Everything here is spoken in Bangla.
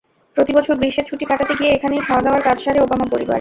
প্রতিবছর গ্রীষ্মের ছুটি কাটাতে গিয়ে এখানেই খাওয়াদাওয়ার কাজ সারে ওবামা পরিবার।